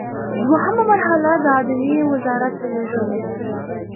دوهمه مرحله د عدلیې وزارت ته لیږل دي.